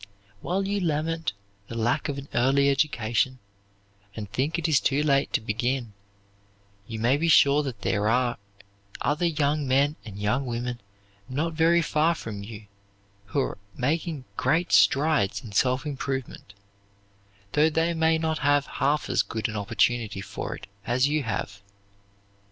While you lament the lack of an early education and think it too late to begin, you may be sure that there are other young men and young women not very far from you who are making great strides in self improvement, though they may not have half as good an opportunity for it as you have.